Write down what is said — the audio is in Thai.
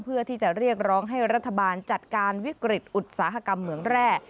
เพื่อที่จะเรียกร้องให้รัฐบาลจัดการวิกฤตอุตสาหกรรมเหมืองแร่